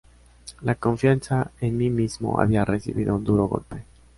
La confianza en mí mismo había recibido un duro golpe.